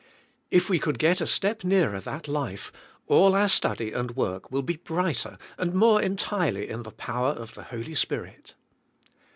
If we could get a step nearer that life all our study and work will be brighter and more entirely in the power of the Holy Spirit.